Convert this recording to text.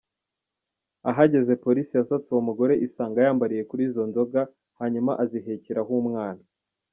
Ahageze, Polisi yasatse uwo mugore isanga yambariye kuri izo nzoga; hanyuma azihekeraho umwana.